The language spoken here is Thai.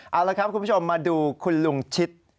เอาละครับคุณผู้ชมมาดูคุณลุงชิด